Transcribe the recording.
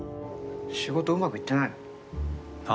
仕事うまくいってないの？